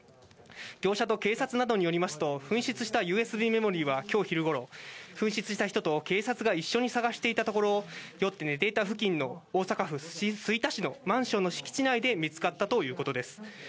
業者と警察などによりますと、紛失したＵＳＢメモリーは、きょう昼ごろ、紛失した人と警察が一緒に捜していたところ、酔って寝ていた付近の大阪府吹田市のマンションの敷地内で見つかったということです。